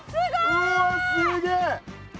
うわっすげえ！